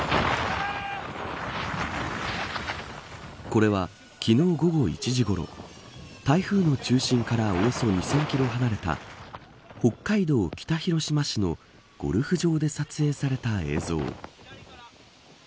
これは昨日、午後１時ごろ台風の中心からおよそ２０００キロ離れた北海道北広島市のゴルフ場で撮影された映像。